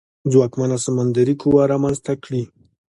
ځواکمنه سمندري قوه رامنځته کړي.